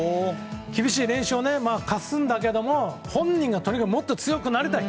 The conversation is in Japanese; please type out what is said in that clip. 厳しい練習を課すんだけれども本人がとにかくもっと強くなりたい。